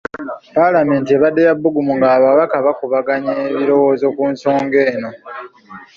Paalamenti ebadde ya bbugumu ng’ababaka bakubaganya ebirowoozo ku nsonga eno.